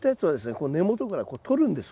こう根元から取るんです。